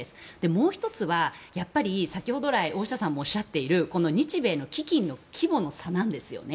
もう１つは先ほど来大下さんもおっしゃっている日米の基金の規模の差なんですね。